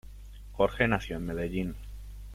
Jorge nació en Medellín.